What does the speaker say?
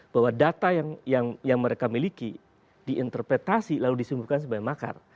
bahwa data yang mereka miliki diinterpretasi lalu disumbuhkan sebagai makar